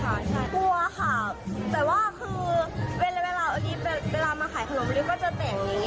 กลัวค่ะแต่ว่าคือเวลาอันนี้เวลามาขายขนมวันนี้ก็จะแต่งอย่างนี้